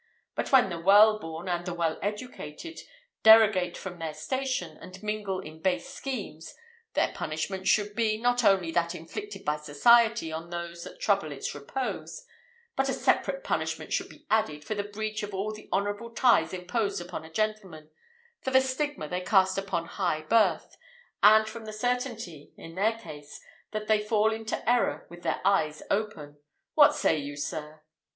but when the well born, and the well educated, derogate from their station, and mingle in base schemes, their punishment should be, not only that inflicted by society on those that trouble its repose, but a separate punishment should be added, for the breach of all the honourable ties imposed upon a gentleman for the stigma they cast upon high birth and from the certainty, in their case, that they fall into error with their eyes open what say you, sir?"